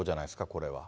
これは。